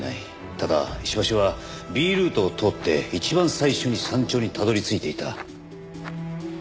ただ石橋はＢルートを通って一番最初に山頂にたどり着いていた。